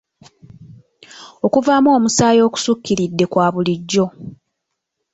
Okuvaamu omusaayi okussukkiridde kwa bulijjo.